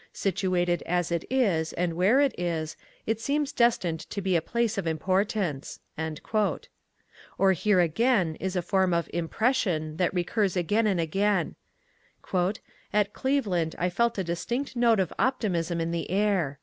Situated as it is and where it is, it seems destined to be a place of importance." Or here, again, is a form of "impression" that recurs again and again "At Cleveland I felt a distinct note of optimism in the air."